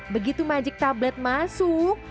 begitu magic tablet masuk